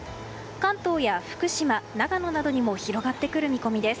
関東や福島長野などにも広がる見込みです。